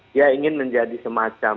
dia ingin menjadi semacam